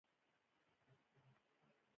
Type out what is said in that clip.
د روي په نوم یو سړی.